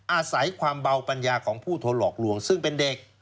อาศัยความเบาปัญญาของผู้ถูกหลอกลวงซึ่งเป็นเด็ก